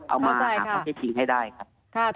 เอามาให้ทิ้งให้ได้ครับ